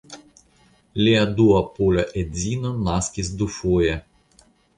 Lia dua pola edzino naskis dufoje.